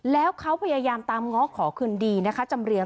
แล้วเขาพยายามตามง้อขอคืนดีนะคะจำเรียง